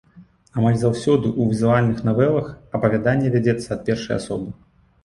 Амаль заўсёды ў візуальных навелах апавяданне вядзецца ад першай асобы.